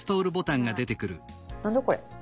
何だこれ？